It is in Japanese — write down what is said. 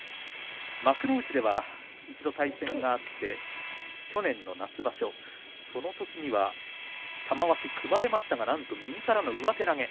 幕内では一度、対戦があって去年の夏場所そのときには玉鷲は組まれましたがなんと右からの上手投げ。